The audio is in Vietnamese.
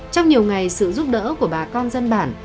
trong nhiều ngày sự giúp đỡ của bà con dân bản